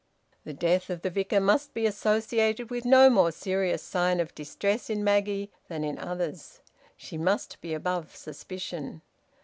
The death of the Vicar must be associated with no more serious sign of distress in Maggie than in others. She must be above suspicion.